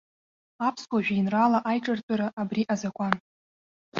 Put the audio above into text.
Аԥсуа жәеинраала аиҿартәыра абри азакәан.